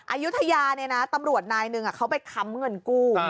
อายุทยาเนี่ยนะตำรวจนายหนึ่งเขาไปค้ำเงินกู้